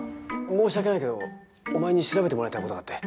申し訳ないけどお前に調べてもらいたい事があって。